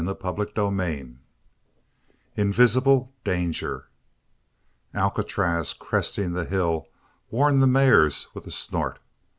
CHAPTER XVII INVISIBLE DANGER Alcatraz, cresting the hill, warned the mares with a snort.